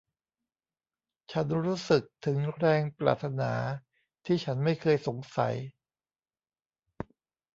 ฉันรู้สึกถึงแรงปรารถนาที่ฉันไม่เคยสงสัย